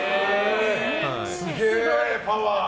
すげえパワー！